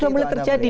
sudah mulai terjadi